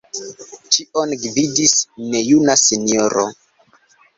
Ĉion gvidis nejuna sinjoro.